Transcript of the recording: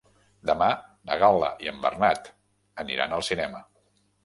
Demà na Gal·la i en Bernat aniran al cinema.